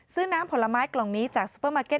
น้ำผลไม้กล่องนี้จากซูเปอร์มาร์เก็ต